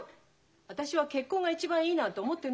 私は結婚が一番いいなんて思ってないもん。